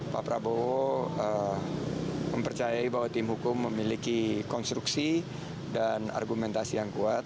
pak prabowo mempercayai bahwa tim hukum memiliki konstruksi dan argumentasi yang kuat